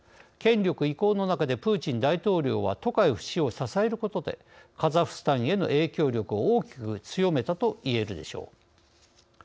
権力移行の中でプーチン大統領はトカエフ氏を支えることでカザフスタンへの影響力を大きく強めたといえるでしょう。